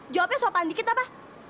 jawabnya sopan dikit apa